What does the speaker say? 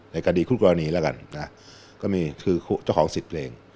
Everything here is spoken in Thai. ในคดีคู่กรณีแล้วกันนะก็มีคือเจ้าของสิทธิ์เพลง